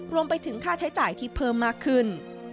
รวมไปถึงค่าใช้จ่ายที่เพิ่มมากขึ้น